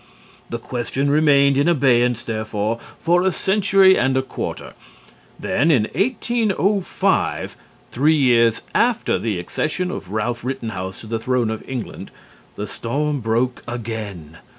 The question remained in abeyance therefore, for a century and a quarter. Then, in 1805, three years after the accession of Ralph Rittenhouse to the throne of England, the storm broke again.